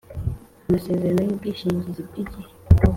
Amasezerano y ubwishingizi bw igihe